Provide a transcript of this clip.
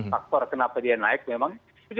faktor kenapa dia naik memang